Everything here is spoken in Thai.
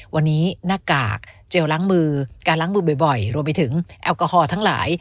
วันนี้หน้ากากเจลล้างมือการล้างมือบ่อยรวมไปถึงแอลกอฮอล์ทั้งหลาย